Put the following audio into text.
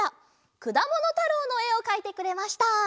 「くだものたろう」のえをかいてくれました。